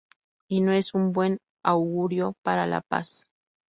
Y no es un buen augurio para la paz.